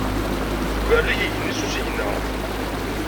Berrik yigenni s usigna.